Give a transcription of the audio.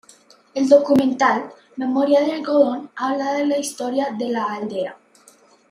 El documental "Memoria de algodón" habla de la historia de la aldea.